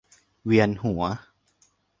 เวียนหัว